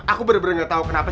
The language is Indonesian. aku benar benar gak tahu kenapa